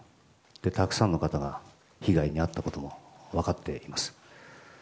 たくさんの方が被害に遭ったことも分かっています。